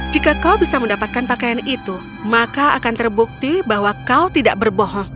jika kau bisa mendapatkan pakaian itu maka akan terbukti bahwa kau tidak berbohong